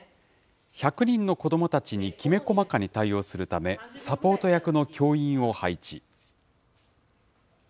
１００人の子どもたちにきめ細かに対応するため、サポート役の教員を配置。